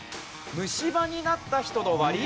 虫歯になった人の割合